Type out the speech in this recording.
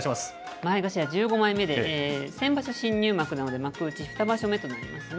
前頭１５枚目で、先場所新入幕なので、幕内２場所目となりますね。